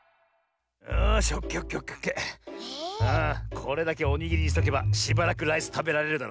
これだけおにぎりにしとけばしばらくライスたべられるだろ。